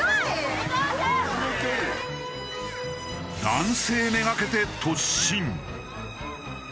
男性めがけて突進。